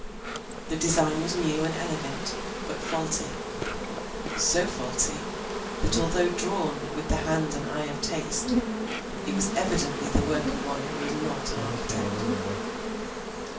The design was new and elegant, but faulty; so faulty, that although drawn with the hand and eye of taste, it was evidently the work of one who was not an architect.